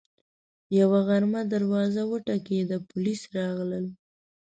یوه غرمه دروازه وټکېده، پولیس راغلل